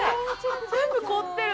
全部凍ってる。